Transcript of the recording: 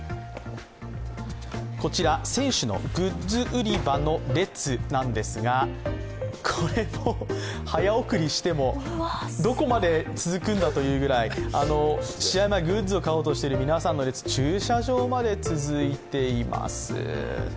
こちら選手のグッズ売り場の列なんですがこれ、もう早送りしてもどこまで続くんだというぐらい、試合前、グッズを買おうとしている皆さんの列、駐車場まで続いています。